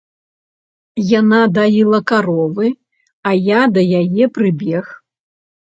Яна даіла каровы, а я да яе прыбег.